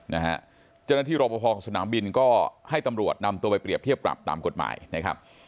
เจ้าหน้าที่รอปภของสนามบินก็ให้ตำรวจนำตัวไปเปรียบเทียบปรับตามกฎหมายนะครับ